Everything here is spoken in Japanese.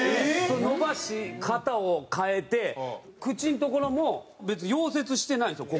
延ばし型を変えて口のところも別に溶接してないんですよ